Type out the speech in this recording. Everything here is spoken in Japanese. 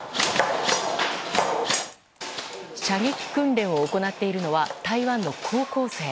射撃訓練を行っているのは台湾の高校生。